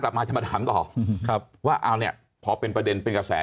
กลับมาจะมาถามก่อนว่างานเนี่ยพอเป็นประเด็นเป็นแสว